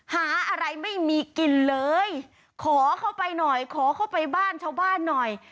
หาอะไรไม่มีกินเลยขอเข้าไปหน่อยขอเข้าไปบ้านชาวบ้านหน่อย